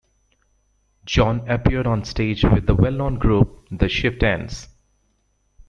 John appeared on stage with the well-known group, The Chieftains.